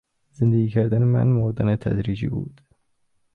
زندگی کردن من مردن تدریجی بود...